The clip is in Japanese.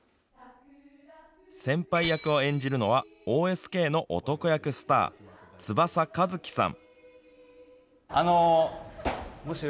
先輩役を演じるのはＯＳＫの男役スター翼和希さん。